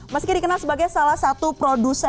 meski dikenal sebagai salah satu produsen